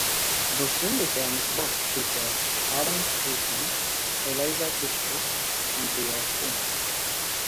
Those indie films both feature Alan Rickman, Eliza Dushku, and Bill Pullman.